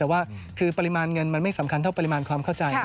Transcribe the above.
แต่ว่าคือปริมาณเงินมันไม่สำคัญเท่าปริมาณความเข้าใจ